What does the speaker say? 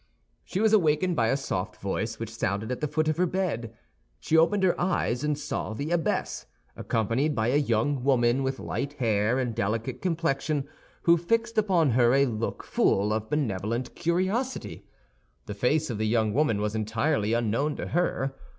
She was awakened by a soft voice which sounded at the foot of her bed. She opened her eyes, and saw the abbess, accompanied by a young woman with light hair and delicate complexion, who fixed upon her a look full of benevolent curiosity. The face of the young woman was entirely unknown to her.